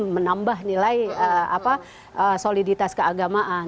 menambah nilai soliditas keagamaan